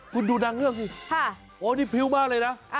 คุณดูนางเงือกสิโอ้นี่พริ้วมากเลยนะ